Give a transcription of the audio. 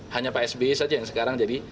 hanya pak sby saja yang sekarang jadi